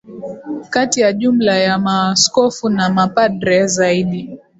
Kati ya jumla ya maaskofu na mapadre zaidi